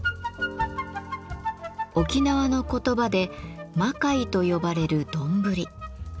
沖縄の言葉で「マカイ」と呼ばれるどんぶり。